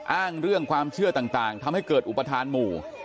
อ้างเรื่องความเชื่อต่างทำให้เกิดอุปทานหมู่